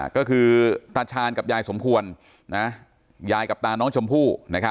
ก็คือตาชาญกับยายสมควรยายกับตาน้องชมพู่